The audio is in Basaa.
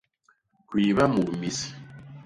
Kuiba mut mis.